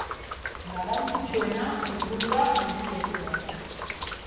Garrantzitsuena, helburua erdiestea.